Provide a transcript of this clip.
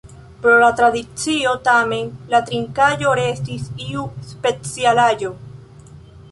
Pro la tradicio tamen la trinkaĵo restis iu specialaĵo.